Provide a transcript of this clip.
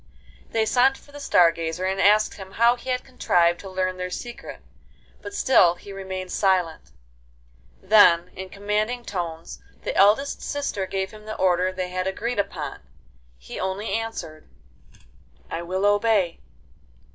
They sent for the Star Gazer, and asked him how he had contrived to learn their secret; but still he remained silent. Then, in commanding tones, the eldest sister gave him the order they had agreed upon. He only answered: 'I will obey.